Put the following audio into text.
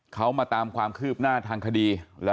เขามาตามความคืบหน้าทางคดี